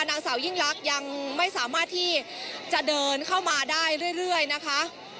นางสาวยิ่งลักษณ์ยังไม่สามารถที่จะเดินเข้ามาได้เรื่อยนะคะ